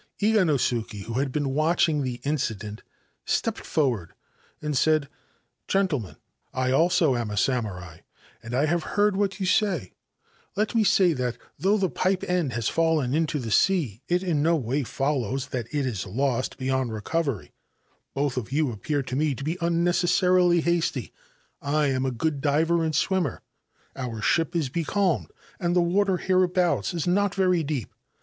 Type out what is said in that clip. Iganosuke, who had been watching the incident, stepped rward and said :* Gentlemen, I also am a samurai, and I have heard lat you say. Let me say that, though the pipe end has Hen into the sea, it in no way follows that it is lost yond recovery. Both of you appear to me to be mecessarily hasty. I am a good diver and swimmer ; ir ship is becalmed ; and the water hereabouts is not very ep.